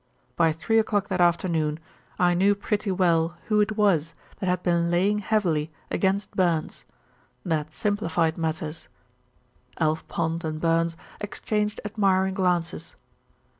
By three o'clock that afternoon I knew pretty well who it was that had been laying heavily against Burns. That simplified matters." Alf Pond and Burns exchanged admiring glances.